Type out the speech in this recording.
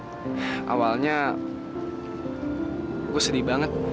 awalnya gue sedih banget